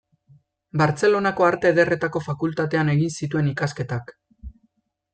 Bartzelonako Arte Ederretako Fakultatean egin zituen ikasketak.